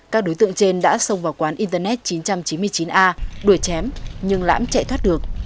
các đối tượng trên đã xông vào quán internet chín trăm chín mươi chín a đuổi chém nhưng lãm chạy thoát được